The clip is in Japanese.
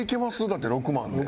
だって６万で。